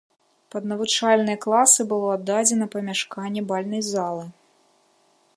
Пад навучальныя класы было аддадзена памяшканне бальнай залы.